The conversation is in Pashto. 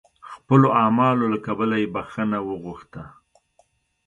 خپلو اعمالو له کبله یې بخښنه وغوښته.